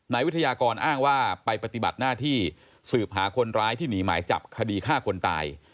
วิทยากรอ้างว่าไปปฏิบัติหน้าที่สืบหาคนร้ายที่หนีหมายจับคดีฆ่าคนตาย